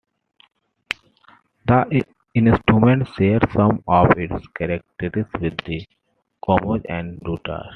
The instrument shares some of its characteristics with the komuz and dutar.